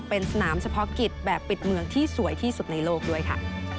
เป็นสนามเฉพาะกิจแบบปิดเมืองที่สวยที่สุดในโลกด้วยค่ะ